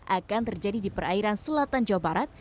akan terjadi di perairan selatan jawa barat